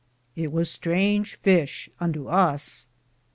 It was strainge fishe unto us.